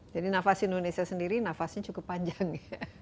jadi nafas indonesia sendiri nafasnya cukup panjang ya